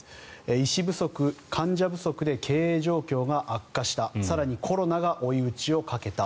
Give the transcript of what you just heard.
医師不足、患者不足で経営状況が悪化した更にコロナが追い打ちをかけた。